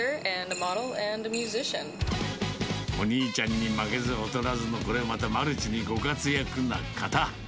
お兄ちゃんに負けず劣らずの、これまたマルチにご活躍な方。